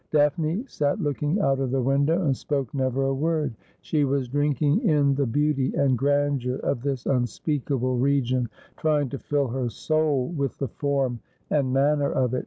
Daphne sat looking out of the window, and spoke never a 276 Asphodel, word. She was drinking in the beauty and grandeur of this unspeakable region, trying to fill her soul with the form and manner of it.